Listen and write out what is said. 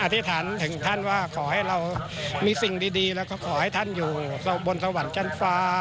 ธิษฐานถึงท่านว่าขอให้เรามีสิ่งดีแล้วก็ขอให้ท่านอยู่บนสวรรค์ชั้นฟ้า